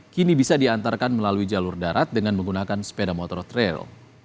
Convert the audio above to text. kini bisa diantarkan melalui jalur darat dengan menggunakan sepeda motor trail